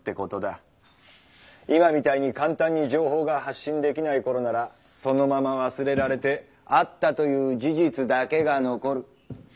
今みたいに簡単に情報が発信できない頃ならそのまま忘れられて「あった」という事実だけが残る。